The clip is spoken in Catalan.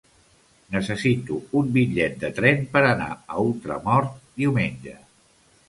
Necessito un bitllet de tren per anar a Ultramort diumenge.